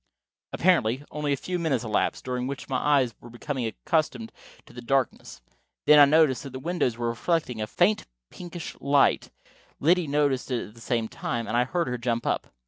Apparently only a few minutes elapsed, during which my eyes were becoming accustomed to the darkness. Then I noticed that the windows were reflecting a faint pinkish light, Liddy noticed it at the same time, and I heard her jump up.